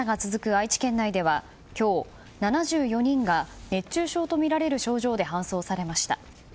愛知県内では今日、７４人が熱中症とみられる症状で搬送されました。